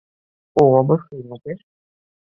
ওহ অবশ্যই, মুকেশ।